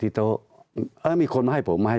ตั้งแต่เริ่มมีเรื่องแล้ว